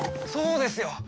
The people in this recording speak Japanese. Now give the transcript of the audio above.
そうですよ！